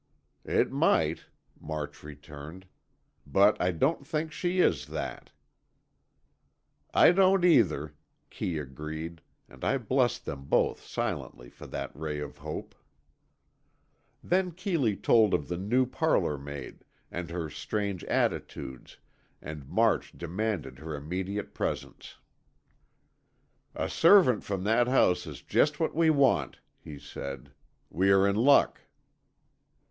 "It might," March returned, "but I don't think she is that." "I don't, either," Kee agreed, and I blessed them both silently for that ray of hope. Then Keeley told of the new parlour maid and her strange attitudes, and March demanded her immediate presence. "A servant from that house is just what we want," he said. "We are in luck."